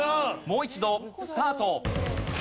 もう一度スタート。